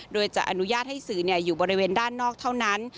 โดยจะอนุญาตให้สื่ออยู่บริเวณด้านนอกเท่านั้น